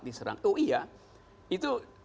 diserang oh iya itu